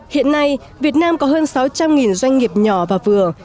hiện nay việt nam có hơn sáu trăm linh doanh nghiệp nhỏ và vừa